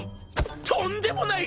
とんでもない！